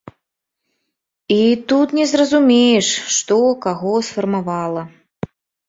І тут не зразумееш, што каго сфармавала.